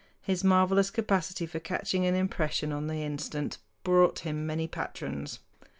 His marvelous capacity for catching an impression on the instant brought him many patrons.